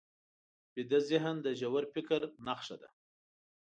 ویده ذهن د ژور فکر نښه ده